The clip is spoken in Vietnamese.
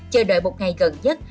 chờ đợi một ngày gần nhất